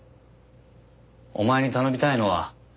お前に頼みたいのは。